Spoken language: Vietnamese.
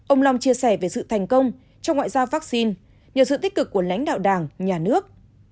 ông long chia sẻ về sự thành công trong ngoại giao vaccine nhờ sự tích cực của lãnh đạo đảng nhà nước